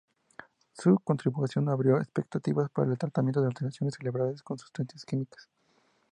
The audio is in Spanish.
Su contribución abrió expectativas para el tratamiento de alteraciones cerebrales con sustancias químicas.